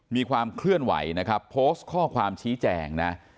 มีความเคลื่อนไหวนะครับโพสต์ข้อความชี้แจงนะ